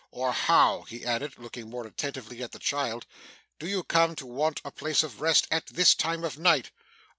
'Or how,' he added, looking more attentively at the child, 'do you come to want a place of rest at this time of night?